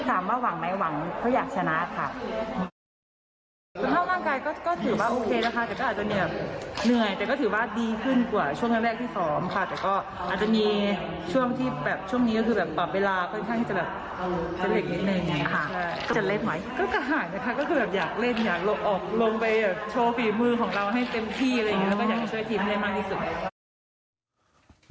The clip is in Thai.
ก็มีแค่อาหารอยากเล่นอยากลงไปโชว์ฝีมือให้เต็มที่อยากช่วยทีมมากที่สุด